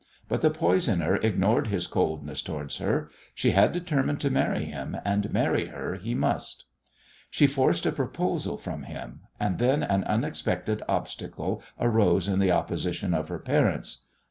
But the poisoner ignored his coldness towards her. She had determined to marry him, and marry her he must. She forced a proposal from him, and then an unexpected obstacle arose in the opposition of her parents.